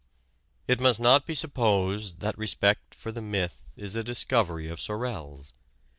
It must not be supposed that respect for the myth is a discovery of Sorel's.